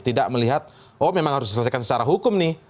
tidak melihat oh memang harus diselesaikan secara hukum nih